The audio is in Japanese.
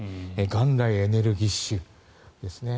元来、エネルギッシュですね